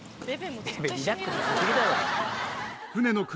リラックスしすぎだろ。